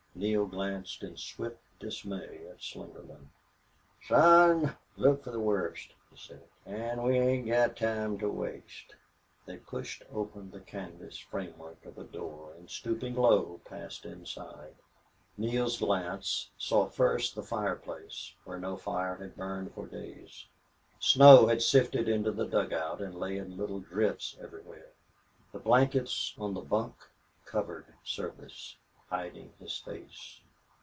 Neale glanced in swift dismay at Slingerland. "Son, look fer the wust," he said. "An' we hain't got time to waste." They pushed open the canvas framework of a door and, stooping low, passed inside. Neale's glance saw first the fireplace, where no fire had burned for days. Snow had sifted into the dugout and lay in little drifts everywhere. The blankets on the bunk covered Service, hiding his face.